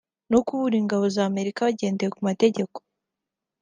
no kuburira ingabo za Amerika bagendeye ku mategeko